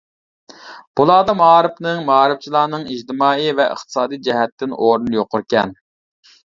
بۇلاردا مائارىپنىڭ، مائارىپچىلارنىڭ ئىجتىمائىي ۋە ئىقتىسادىي جەھەتتىن ئورنى يۇقىرىكەن.